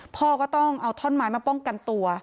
พ่อก็ต้องเอาท่อนไม้มาป้องกันตัว